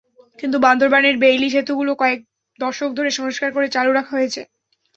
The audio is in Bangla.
কিন্তু বান্দরবানের বেইলি সেতুগুলো কয়েক দশক ধরে সংস্কার করে চালু রাখা হয়েছে।